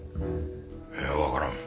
いや分からん。